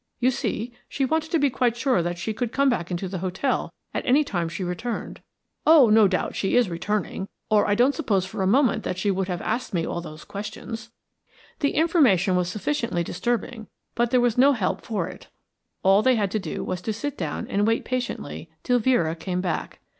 You see, she wanted to be quite sure that she could get back into the hotel at any time she returned. Oh, no doubt she is returning, or I don't suppose for a moment that she would have asked me all those questions." The information was sufficiently disturbing, but there was no help for it. All they had to do was to sit down and wait patiently till Vera came back.